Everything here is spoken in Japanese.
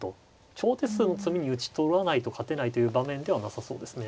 長手数の詰みに討ち取らないと勝てないという場面ではなさそうですね。